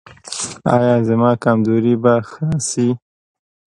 ایا زما کمزوري به ښه شي؟